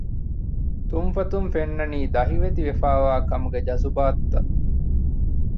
ތުންފަތުން ފެންނަނީ ދަހިވެތި ވެފައިވާކަމުގެ ޖަޒުބާތުތައް